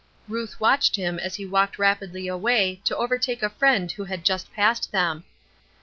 Ruth watched him as he walked rapidly away to overtake a friend who had just passed them.